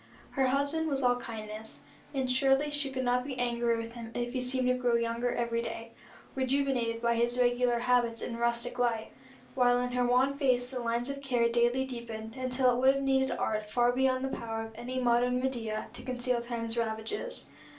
Her husband was all kindness; and surely she could not be angry with him if he seemed to grow younger every day rejuvenated by regular habits and rustic life while in her wan face the lines of care daily deepened, until it would have needed art far beyond the power of any modern Medea to conceal Time's ravages.